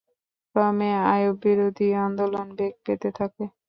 ক্রমে আইয়ুববিরোধী আন্দোলন বেগ পেতে থাকে।